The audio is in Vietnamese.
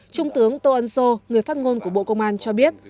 trung tướng tô ân sô người phát ngôn của bộ công an cho biết